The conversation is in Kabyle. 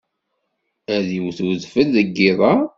Ad d-iwwet wedfel deg yiḍ-a?